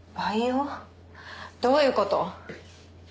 どういうこと？